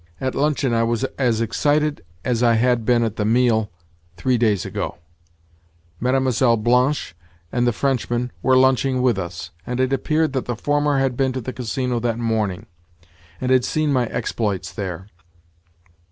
At luncheon I was as excited as I had been at the meal three days ago. Mlle. Blanche and the Frenchman were lunching with us, and it appeared that the former had been to the Casino that morning, and had seen my exploits there.